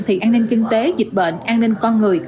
thì an ninh kinh tế dịch bệnh an ninh con người